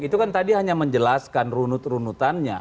itu kan tadi hanya menjelaskan runut runutannya